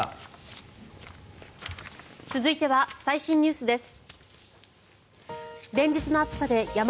続いては最新ニュースです。